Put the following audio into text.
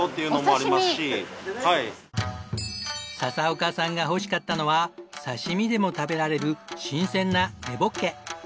笹岡さんが欲しかったのは刺身でも食べられる新鮮な根ボッケ。